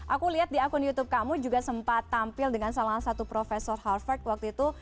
aku lihat di akun youtube kamu juga sempat tampil dengan salah satu profesor harvard waktu itu